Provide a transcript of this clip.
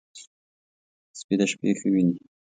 سپي د شپې ښه ویني.